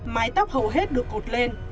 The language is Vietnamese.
mái tóc hầu hết được cột lên